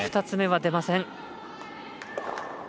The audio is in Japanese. ２つ目は出ません。